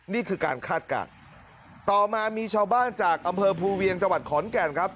นี่คือการคาดการณ์ต่อมามีชาวบ้านจากอำเภอภูเวียงจังหวัดขอนแก่นครับ